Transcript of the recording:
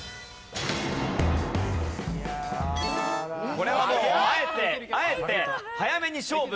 これはもうあえて早めに勝負！